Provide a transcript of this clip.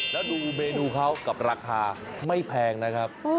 แล้วดูเมนูเขากับราคาไม่แพงนะครับ